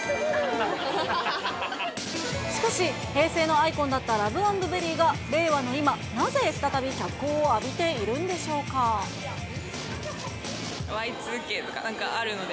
しかし、平成のアイコンだったラブａｎｄベリーが令和の今、なぜ再び脚光を浴びているんでしＹ２Ｋとかあるので。